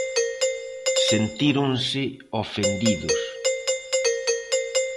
Sentíronse ofendidos.